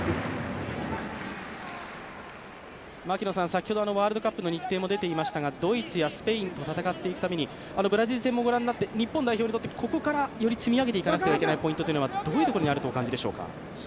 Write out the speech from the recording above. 先ほどワールドカップの日程も出ていましたがドイツやスペインと戦っていくためにブラジル戦もご覧になって日本代表にとってここからより積み上げていかなければならないポイントはどういうところにあるとお感じでしょうか？